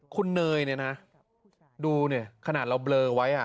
คุณเนยนะดูเนี่ยขนาดเราเบลอไว้อะ